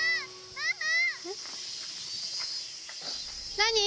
何？